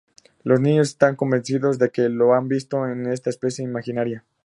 Los niños están convencidos de que lo que han visto es esta especie imaginaria.